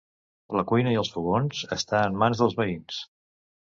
La cuina i els fogons està en mans dels veïns.